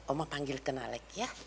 oma panggilkan alex ya